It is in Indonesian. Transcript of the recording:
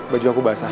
baju aku basah